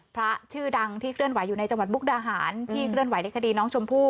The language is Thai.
พระชื่อดังที่เคลื่อนไหวอยู่ในจังหวัดมุกดาหารที่เคลื่อนไหวในคดีน้องชมพู่